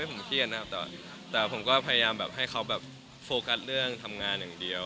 เล่านี้นะครับแต่ผมก็พยายามให้เขาฟูกัสเรื่องทำงานอย่างเดียว